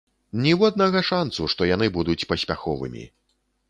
Ніводнага шанцу, што яны будуць паспяховымі!